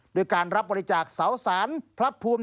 โดยการรับบริจาคเสาสารพระภูมิ